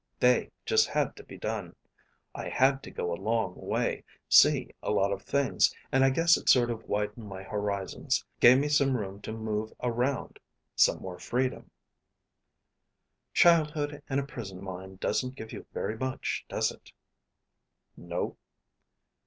They just had to be done. I had to go a long way, see a lot of things, and I guess it sort of widened my horizons, gave me some room to move around some more freedom." "Childhood and a prison mine doesn't give you very much, does it?" "No."